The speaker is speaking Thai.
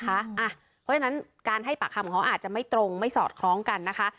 เพราะฉะนั้นการให้ปากคำของเขาอาจจะไม่ตรงไม่สอดคล้องกันนะคะ